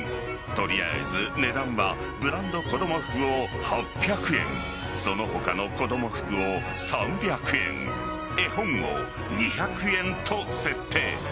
取りあえず値段はブランド子供服を８００円その他の子供服を３００円絵本を２００円と設定。